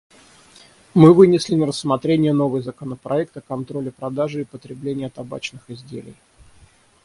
Мы вынесли на рассмотрение новый законопроект о контроле продажи и потребления табачных изделий.